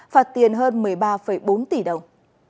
phạt tiền hơn một mươi ba bốn tỷ đồng